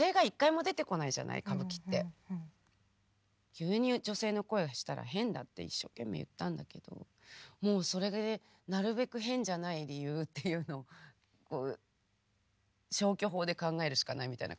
急に女性の声がしたら変だって一所懸命言ったんだけどもうそれでなるべく変じゃない理由っていうのを消去法で考えるしかないみたいな感じ。